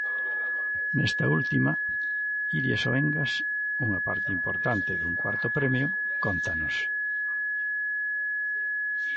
Nesta última, Iria Soengas, unha parte importante dun cuarto premio, cóntanos.